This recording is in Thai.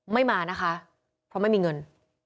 ไม่มานะคะเพราะไม่มีเงิน